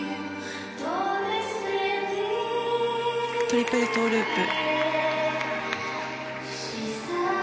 トリプルトウループ。